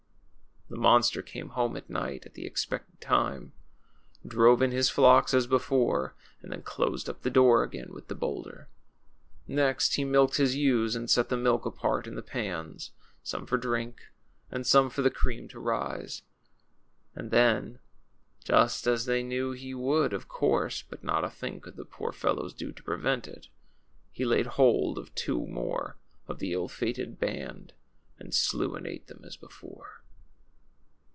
The monster came home at night at the expected time, drove in his flocks as before, and then closed np tlie door again Avith the boAvlder. Next he milked his eAves and set the inilk apart in the pans, some for drink and some for the cream to rise. And then — just as they knew he Avould, of course ; but not a thing could the poor felloAvs do to prevent it — he laid hold of two more of the ill fated band and slew and ate them as before.